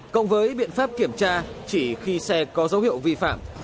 cộng với biện pháp kiểm tra chỉ khi xe có dấu hiệu vi phạm